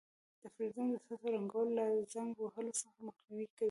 د فلزونو د سطحو رنګول له زنګ وهلو څخه مخنیوی کوي.